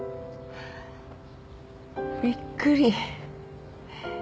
びっくり。